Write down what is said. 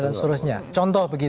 dan seterusnya contoh begitu